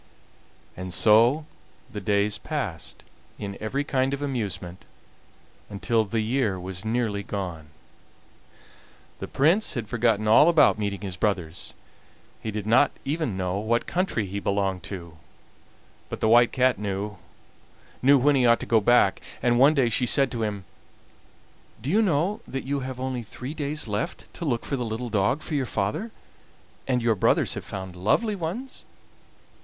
And so the days passed, in every kind of amusement, until the year was nearly gone. The Prince had forgotten all about meeting his brothers: he did not even know what country he belonged to; but the White Cat knew when he ought to go back, and one day she said to him: "Do you know that you have only three days left to look for the little dog for your father, and your brothers have found lovely ones?"